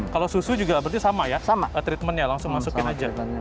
kalau susu juga berarti sama yatreatmentnya langsung masukin aja